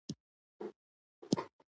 بیه زما سره ده